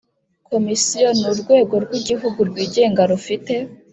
Komisiyo ni urwego rw igihugu rwigenga rufite